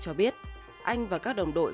cho biết anh và các đồng đội